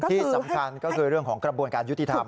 ที่สำคัญก็คือเรื่องของกระบวนการยุติธรรม